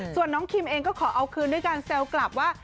ส่วนน้องคิมเองก็ขอเอาคืนด้วยการแซวกลับว่า